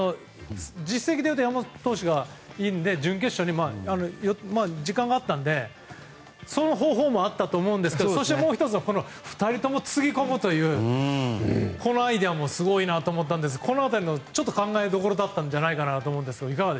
実績でいうと山本投手がいいので時間があったので、その方法もあったと思うんですけどそして、もう１つは２人ともつぎ込むというこのアイデアもすごいなと思いましたが考えどころだったと思いますが。